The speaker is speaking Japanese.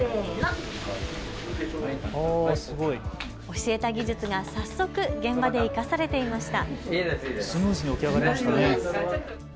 教えた技術が早速、現場で生かされていました。